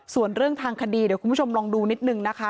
ส่วนเรื่องทางคดีเดี๋ยวคุณผู้ชมลองดูนิดนึงนะคะ